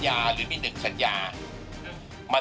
การจะมี๔สัญญาหรือ๑สัญญา